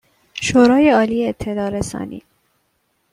شورای عالی اطلاع رسانی